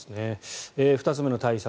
２つ目の対策